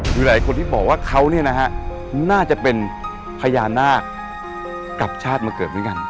คือหลายคนที่บอกว่าเขาเนี่ยนะฮะน่าจะเป็นพญานาคกลับชาติมาเกิดเหมือนกัน